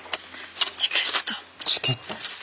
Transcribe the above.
チケット？